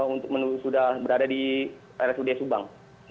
untuk sudah berada di rsud subang